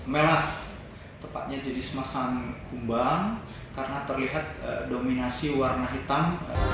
melas tepatnya jenis masang kumbang karena terlihat dominasi warna hitam